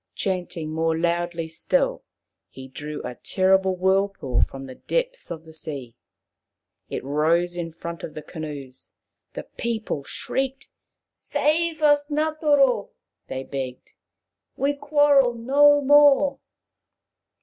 Chanting more loudly still, he drew a terrible whirlpool from the depths of the sea. It rose in front of the canoes. The people shrieked. " Save us, Ngatoro !" they begged. " We quarrel no more."